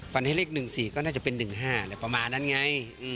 ให้เลข๑๔ก็น่าจะเป็น๑๕อะไรประมาณนั้นไง